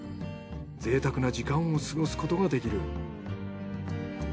ぜいたくな時間を過ごすことができる。